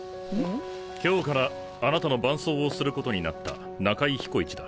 今日からあなたの伴走をすることになった中居彦一だ。